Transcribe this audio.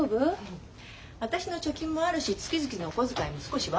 私の貯金もあるし月々のお小遣いも少しはあるし。